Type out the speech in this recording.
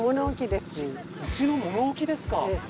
うちの物置ですか。